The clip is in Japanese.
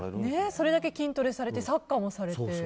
それだけ筋トレされてサッカーもされて。